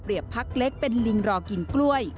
เหลี่ยบพักเล็กเป็นลิงรอกินกล้วย